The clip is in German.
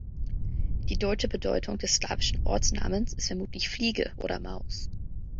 Die deutsche Bedeutung des slawischen Ortsnamens ist vermutlich "Fliege" oder "Maus".